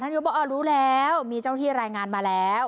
ธนายกบอกอ้อรู้แล้วมีเจ้าที่รายงานมาแล้ว